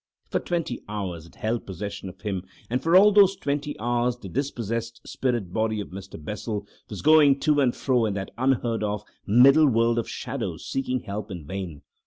For twenty hours it held possession of him, and for all those twenty hours the dispossessed spirit body of Mr. Bessel was going to and fro in that unheard of middle world of shadows seeking help in vain.